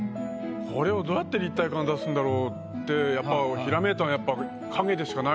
これをどうやって立体感出すんだろうってひらめいたのはやっぱ。